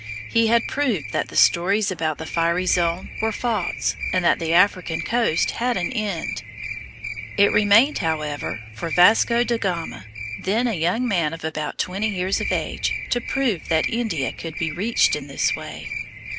He had proved that the stories about the fiery zone were false, and that the African coast had an end. [Illustration: Spanish and Portuguese Vessels.] It remained, however, for Vasco da Gama, then a young man of about twenty years of age, to prove that India could be reached in this way.